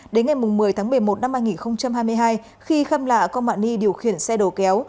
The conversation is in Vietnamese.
đến ngày một mươi tháng một mươi một năm hai nghìn hai mươi hai khi khâm lạ con mạ ni điều khiển xe đồ kéo